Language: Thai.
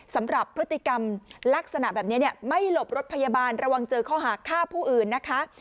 สำหรับพฤติกรรมลักษณะแบบนี้ไม่หลบรถพยาบาลระวังเจอข้อหาฆ่าผู้อื่นนะคะ